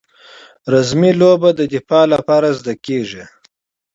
رزمي لوبې د دفاع لپاره زده کیږي.